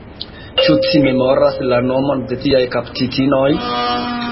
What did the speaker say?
Ĉu ci memoras la nomon de ciaj kaptitinoj?